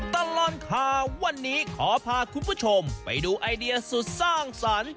ตลอดข่าววันนี้ขอพาคุณผู้ชมไปดูไอเดียสุดสร้างสรรค์